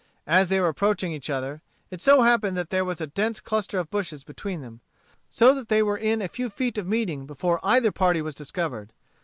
As they were approaching each other, it so happened that there was a dense cluster of bushes between them, so that they were within a few feet of meeting before either party was discovered.